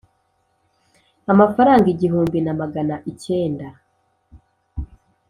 amafaranga igihumbi na magana icyenda